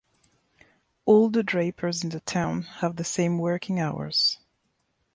All the drapers in the town had the same working hours.